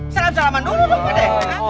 salam salaman dulu dong pak deh